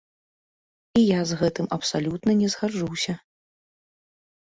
І я з гэтым абсалютна не згаджуся.